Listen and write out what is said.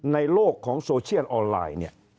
ในโลกของโซเชียลออนไลน์